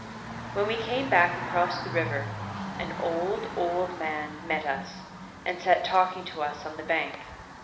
When we came back across the river an old, old man met us and sat talking to us on the bank.